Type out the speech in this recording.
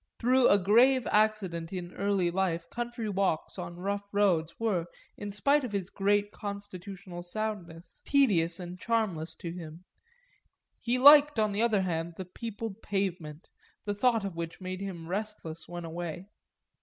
Through a grave accident in early life country walks on rough roads were, in spite of his great constitutional soundness, tedious and charmless to him; he liked on the other hand the peopled pavement, the thought of which made him restless when away.